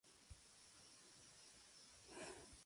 Cuenta con servicios Regionales.